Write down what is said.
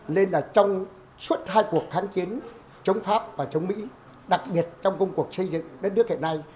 nên là trong suốt hai cuộc kháng chiến chống pháp và chống mỹ đặc biệt trong công cuộc xây dựng đất nước hiện nay